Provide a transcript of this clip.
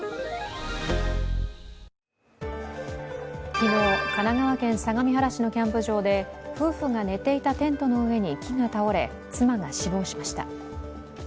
昨日、神奈川県相模原市のキャンプ場で夫婦が寝ていたテントの上に木が倒れ、妻が死亡しました。